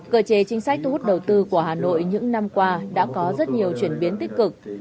cờ chế chính sách thu hút đầu tư của hà nội những năm qua đã có rất nhiều chuyển biến tích cực